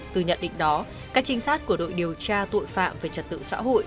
từ nhận định đó các trinh sát của đội điều tra tội phạm về trật tự xã hội